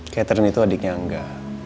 catherine itu adiknya angga